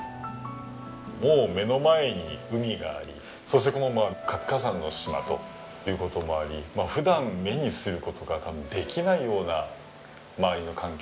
もう目の前に海がありそして活火山の島という事もあり普段目にする事ができないような周りの環境